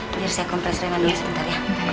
biar saya kompres rena dulu sebentar ya